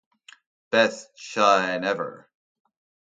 Best shine ever.